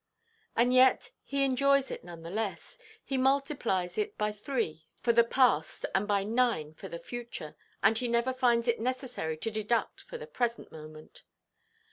And yet he enjoys it none the less; he multiplies it by three for the past and by nine for the future, and he never finds it necessary to deduct for the present moment.